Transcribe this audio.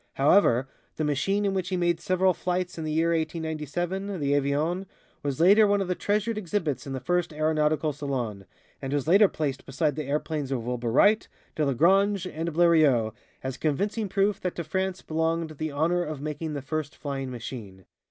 However, the machine in which he made several flights in the year 1897, the "Avion," was later one of the treasured exhibits of the first Aeronautical Salon, and was placed beside the airplanes of Wilbur Wright, Delagrange and Blériot "as convincing proof that to France belonged the honor of making the first flying machine."